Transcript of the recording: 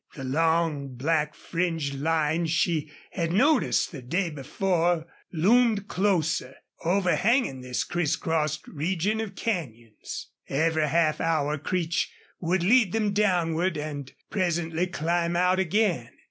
The long, black fringed line she had noticed the day before loomed closer; overhanging this crisscrossed region of canyons. Every half hour Creech would lead them downward and presently climb out again.